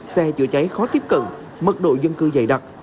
xe chữa cháy khó tiếp cận mật độ dân cư dày đặc